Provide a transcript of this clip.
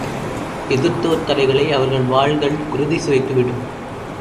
எதிர்த்தோர் தலைகளை அவர்கள் வாள்கள் குருதி சுவைத்து விடும்.